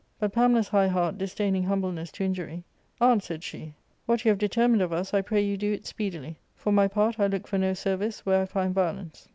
But Pamela's high heart disdaining humbleness to injury, " Aunt," said she, " what you have determined of us I pray you do it speedily : for my part, I look for no service where I find violence."